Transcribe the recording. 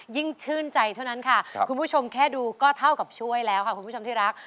ยิ่งชื่นใจเท่านั้นค่ะคุณผู้ชมแค่ดูก็เท่ากับช่วยแล้วค่ะคุณผู้ชมที่รัก